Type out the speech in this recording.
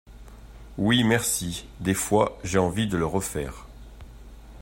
Oui merci, des fois j'ai envie de le refaire.